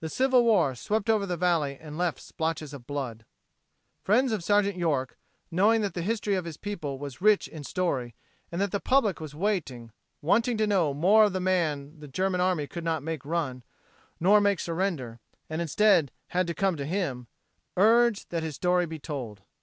The Civil War swept over the valley and left splotches of blood. Friends of Sergeant York, knowing that the history of his people was rich in story, and that the public was waiting, wanting to know more of the man the German army could not run, nor make surrender and instead had to come to him urged that his story be told.